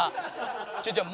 違う違う。